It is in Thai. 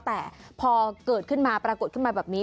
แต่พอเกิดขึ้นมาปรากฏขึ้นมาแบบนี้